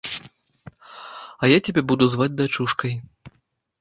А я цябе буду зваць дачушкай.